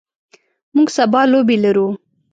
موږ سبا لوبې لرو.